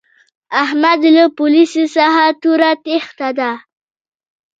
احمد له پوليسو څخه توره تېښته ده.